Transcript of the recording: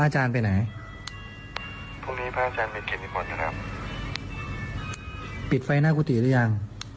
จับแล้วเปลี่ยน